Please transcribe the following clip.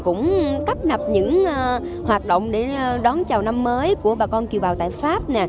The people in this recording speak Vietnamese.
cũng tấp nập những hoạt động để đón chào năm mới của bà con kiều bào tại pháp